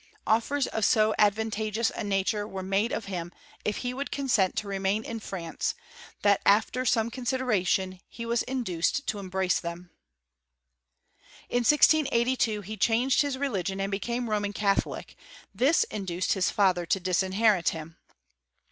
Offers of so advantageous a nature: were made him if he would consent to remain in'' France, that, after some consideration, he was in dueed to embrace them« r OF THE SEVENTEENTH CENTtTRT. 241 2 he chang; ed his religion and became Ro man catholic : this induced his father to disinherit him.